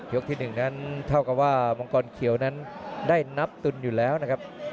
ที่๑นั้นเท่ากับว่ามังกรเขียวนั้นได้นับตุนอยู่แล้วนะครับ